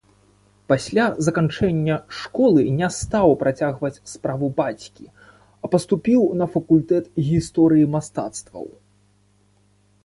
Пасля заканчэння школы не стаў працягваць справу бацькі, а паступіў на факультэт гісторыі мастацтваў.